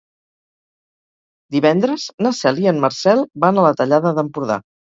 Divendres na Cel i en Marcel van a la Tallada d'Empordà.